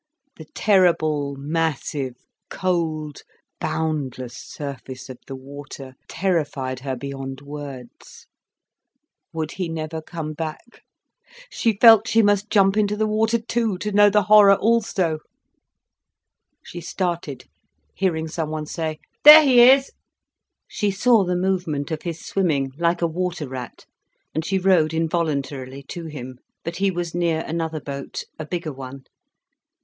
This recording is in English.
The terrible, massive, cold, boundless surface of the water terrified her beyond words. Would he never come back? She felt she must jump into the water too, to know the horror also. She started, hearing someone say: "There he is." She saw the movement of his swimming, like a water rat. And she rowed involuntarily to him. But he was near another boat, a bigger one.